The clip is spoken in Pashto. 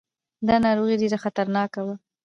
دا ناروغي ډېره خطرناکه وه.